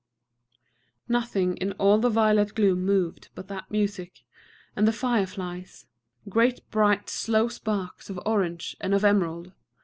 Nothing in all the violet gloom moved but that music, and the fire flies, great bright slow sparks of orange and of emerald.